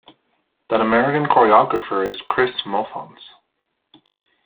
That American Choreographer is Kris Mohfanz.